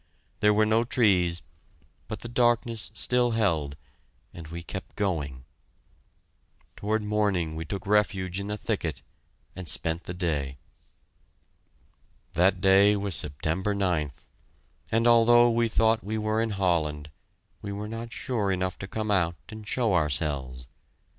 There were no trees, but the darkness still held, and we kept going. Toward morning we took refuge in a thicket, and spent the day. That day was September 9th, and although we thought we were in Holland, we were not sure enough to come out and show ourselves.